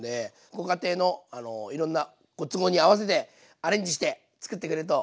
ご家庭のいろんなご都合に合わせてアレンジして作ってくれるといいと思います。